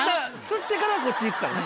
吸ってからこっち行くからね。